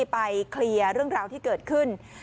ไปเคลียร์เรื่องราวที่เกิดขึ้น